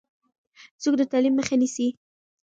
څوک د تعلیم مخه نیسي؟